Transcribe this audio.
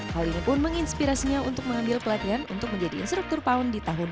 hal ini pun menginspirasinya untuk mengambil pelatihan untuk menjadi instruktur pound di tahun dua ribu